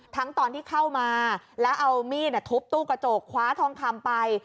ตอนที่เข้ามาแล้วเอามีดทุบตู้กระจกคว้าทองคำไป